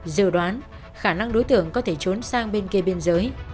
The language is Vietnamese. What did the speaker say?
dự đoán khả năng đối tượng có thể trốn sang bên kia biên giới